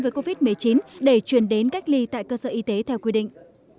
với covid một mươi chín để chuyển đến cách ly tại cơ sở y tế theo quy định